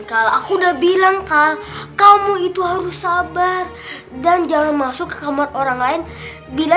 kalau aku udah bilang kak kamu itu harus sabar dan jangan masuk ke kamar orang lain bila